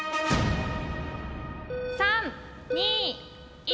３２１。